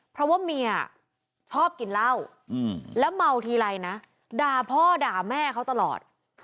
เพราะว่าเมียชอบกินเหล้าแล้วเมาทีไรนะด่าพ่อด่าแม่เขาตลอด